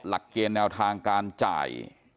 หลักเกณฑ์แนวทางการจ่าย